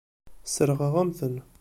Sseṛɣeɣ-am-ten.